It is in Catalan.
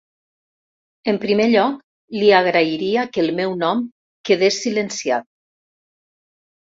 En primer lloc, li agrairia que el meu nom quedés silenciat.